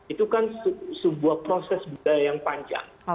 itu kan sebuah proses budaya yang panjang